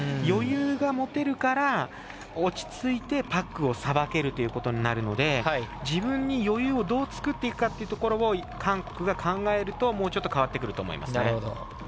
余裕が持てるから落ち着いてパックをさばけるので自分に余裕をどう作っていくかというところを韓国が考えると、もうちょっと変わってくると思いますね。